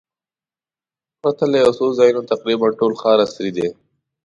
پرته له یو څو ځایونو تقریباً ټول ښار عصري دی.